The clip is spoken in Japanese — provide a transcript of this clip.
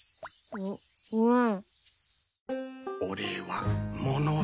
ううん。